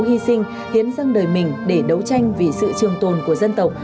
hy sinh hiến dâng đời mình để đấu tranh vì sự trường tồn của dân tộc